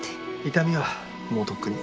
痛みはもうとっくに。